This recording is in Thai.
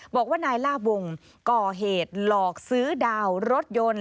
บอกว่านายลาบวงก่อเหตุหลอกซื้อดาวรถยนต์